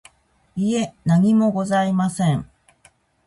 いえ、何もございません。